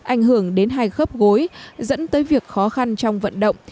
ảnh hưởng đến hai khớp gối dẫn tới việc khó khăn trong vận động